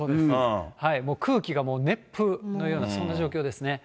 もう空気が熱風のようなそんなような感じですね。